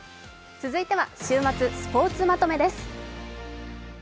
続いては週末スポーツまとめです。